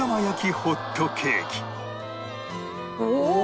おお！